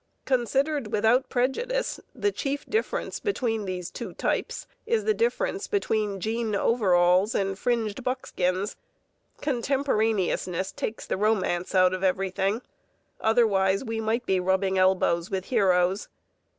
Considered without prejudice, the chief difference between these two types is the difference between jean overalls and fringed buckskins. Contemporaneousness takes the romance out of everything; otherwise we might be rubbing elbows with heroes.